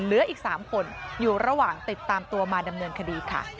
เหลืออีก๓คนอยู่ระหว่างติดตามตัวมาดำเนินคดีค่ะ